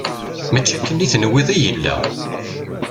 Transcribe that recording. Mačči akken i tenwiḍ i yella.